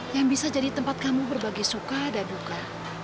yang bisa jadi tempat kamu berbagi suka dan duka